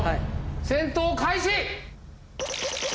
戦闘開始！